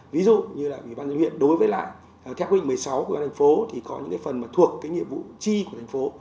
ví dụ như là ủy ban nhân dân huyện đối với lại theo quy định một mươi sáu của thành phố thì có những phần thuộc nhiệm vụ chi của thành phố